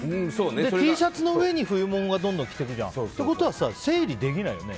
Ｔシャツの上に冬物をどんどん着ていくじゃん。ってことは整理できないよね。